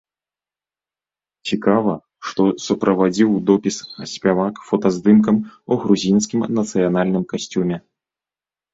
Цікава, што суправадзіў допіс спявак фотаздымкам у грузінскім нацыянальным касцюме.